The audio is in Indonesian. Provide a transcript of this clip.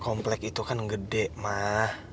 komplek itu kan gede mah